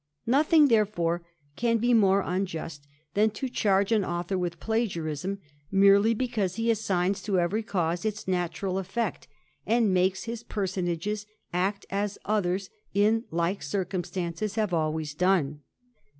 Nothing, therefore, can be more unjust, than to chaig^^ an author with plagiarism, merely because he assigns to every cause its natural effect ; and makes his personages ac<^ as others in like circumstances have always done.